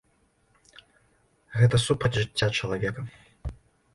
Гэта супраць жыцця чалавека.